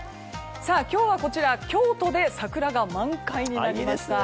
今日はこちら京都で桜が満開になりました。